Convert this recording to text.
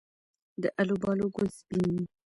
د الوبالو ګل سپین وي؟